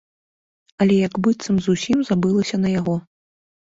Аля як быццам зусім забылася на яго.